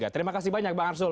terima kasih banyak bang arsul